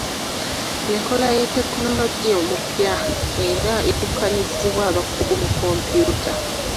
Enkola ya tekinologiya omupya era eddukanyizibwa abakugu mu kompyuta.